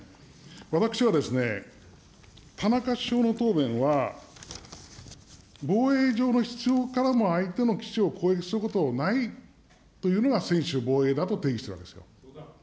私はですね、田中首相の答弁は、防衛上の必要からも相手の基地を攻撃することはないというのが専守防衛だと定義しているわけですよ。